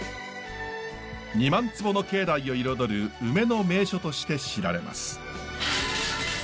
２万坪の境内を彩る梅の名所として知られます。